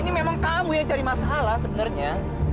ini memang kamu yang cari masalah sebenarnya